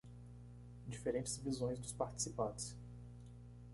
Diferentes visões dos participantes